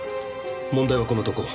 問題はこの男。